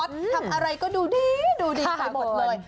ทำอะไรก็ดูดีดูดีไปหมดเลย